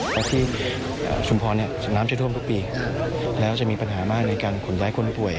เพราะที่ชุมพรน้ำจะท่วมทุกปีแล้วจะมีปัญหามากในการขนย้ายคนป่วย